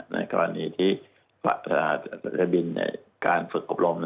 ในกรณีที่ปรัชนาธิบินในการฝึกกบลม